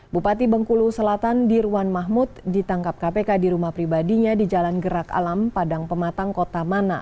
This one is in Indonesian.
bupati bengkulu selatan dirwan mahmud ditangkap kpk di rumah pribadinya di jalan gerak alam padang pematang kota mana